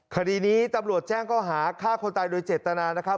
คดีนี้ตำรวจแจ้งก็หาฆ่าคนตายโดยเจตนานะครับ